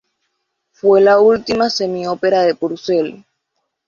Fue la última semi-ópera de Purcell.